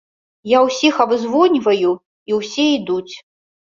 Я ўсіх абзвоньваю і ўсе ідуць.